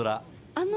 あの。